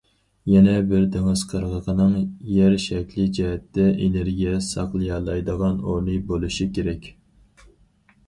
يەنە بىرى، دېڭىز قىرغىقىنىڭ يەر شەكلى جەھەتتە ئېنېرگىيە ساقلىيالايدىغان ئورنى بولۇشى كېرەك.